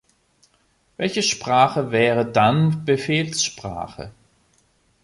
Welche Sprache wäre dann Befehlssprache?